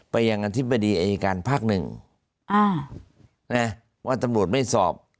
ยังอธิบดีอายการภาคหนึ่งอ่านะว่าตำรวจไม่สอบ